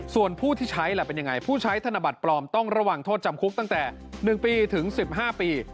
ส่วนผู้ที่ใช้ล่ะเป็นยังไงผู้ใช้ธนบัตรปลอมต้องระวังโทษจำคุกตั้งแต่๑ปีถึง๑๕ปี